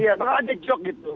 iya kalau ada joke gitu